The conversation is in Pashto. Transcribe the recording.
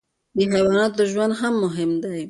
د حیواناتو ژوند هم مهم دی.